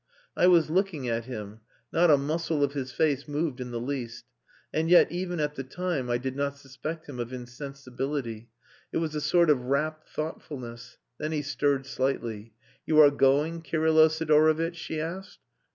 I was looking at him; not a muscle of his face moved in the least. And yet, even at the time, I did not suspect him of insensibility. It was a sort of rapt thoughtfulness. Then he stirred slightly. "You are going, Kirylo Sidorovitch?" she asked.